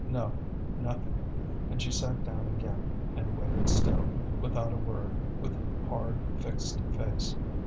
No, nothing! And she sat down again, and waited still, without a word, with hard, fixed face.